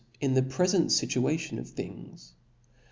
"^ in the prefent fituatim of things.